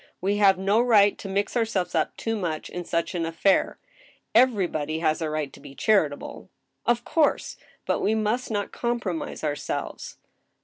" We have no right to mix ourselves up too much in such an affair." " Everybody has a right to be charitable." " Of course ; but we must not compromise ourselves."